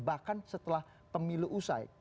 bahkan setelah pemilu usai